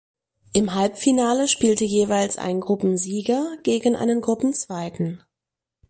Im Halbfinale spielte jeweils ein Gruppensieger gegen einen Gruppenzweiten.